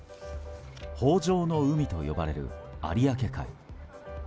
豊饒の海と呼ばれる有明海。